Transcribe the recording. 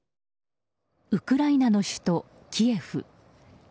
ウクライナの首都キエフ。